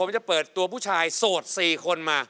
ผมจะเปิดตัวผู้ชายโสด๔คนมา